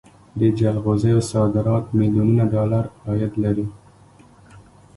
د جلغوزیو صادرات میلیونونه ډالر عاید لري